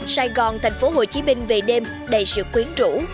sài gòn thành phố hồ chí minh về đêm đầy sự quyến rũ